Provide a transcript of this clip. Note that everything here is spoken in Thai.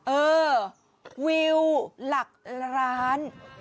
เออวิวหลักร้าน